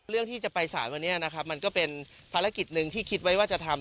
เรื่องที่จะไปสารวันนี้นะครับมันก็เป็นภารกิจหนึ่งที่คิดไว้ว่าจะทำ